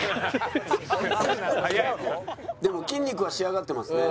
でも筋肉は仕上がってますね。